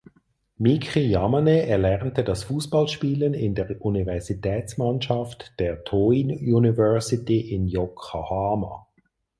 Miki Yamane erlernte das Fußballspielen in der Universitätsmannschaft der Toin University in Yokohama.